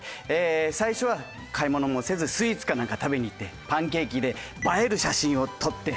最初は買い物もせずスイーツかなんか食べに行ってパンケーキで映える写真を撮って。